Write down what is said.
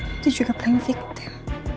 itu juga playing victim